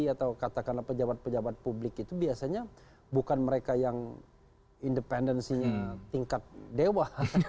atau katakanlah pejabat pejabat publik itu biasanya bukan mereka yang independensinya tingkat dewa